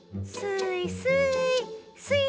スイスイ！